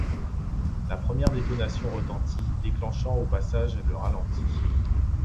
La première détonation retentit, déclenchant au passage le ralenti.